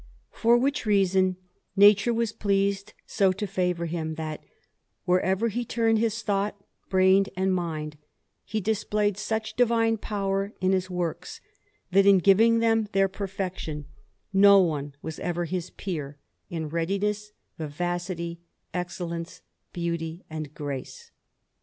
For which reason nature was pleased so to favour him, that, wherever he turned his thought, brain, and mind, he displayed such divine power in his works, that, in giving them their perfection, no one was ever his peer in readiness, vivacity, excellence, beauty, and grace.